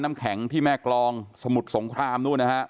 น้ำแข็งที่แม่กรองสมุทรสงครามนู่นนะฮะ